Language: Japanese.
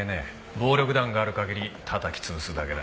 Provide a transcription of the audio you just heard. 暴力団がある限りたたき潰すだけだ。